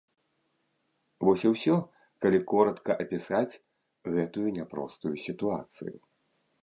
Вось і ўсё, калі коратка апісаць гэтую няпростую сітуацыю.